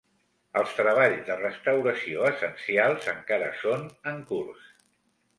Els treballs de restauració essencials encara són en curs.